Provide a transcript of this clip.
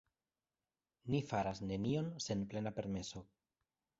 Ni faras nenion sen plena permeso.